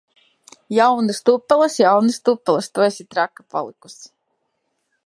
Jaunas tupeles! Jaunas tupeles! Tu esi traka palikusi!